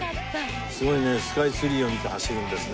すごいねスカイツリーを見て走るんですね。